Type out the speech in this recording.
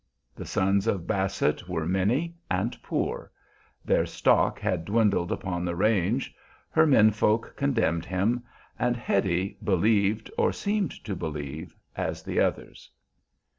The sons of Basset were many and poor; their stock had dwindled upon the range; her men folk condemned him, and Hetty believed, or seemed to believe, as the others.